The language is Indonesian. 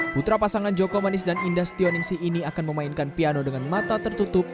putra pasangan joko manis dan indah stioningsi ini akan memainkan piano dengan mata tertutup